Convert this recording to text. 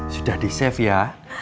sudah di save ya